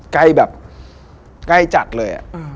ใกล้แบบใกล้จัดเลย